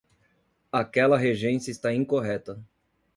Aquela regência está incorreta